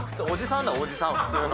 おじさんだよおじさん。